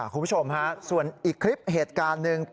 คุณผู้ชมฮะส่วนอีกคลิปเหตุการณ์หนึ่ง